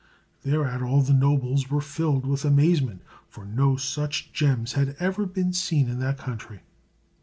Thereat all the nobles were filled with amazement, for no such gems had ever been seen in that country.